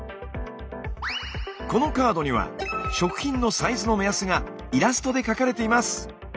このカードには食品のサイズの目安がイラストで描かれています。